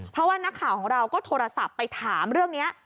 เพราะว่านักข่าวของเราก็โทรศัพท์ไปถามเรื่องนี้